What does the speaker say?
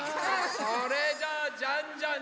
それじゃ「じゃんじゃん！